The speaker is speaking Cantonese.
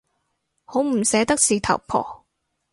好唔捨得事頭婆